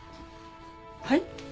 はい？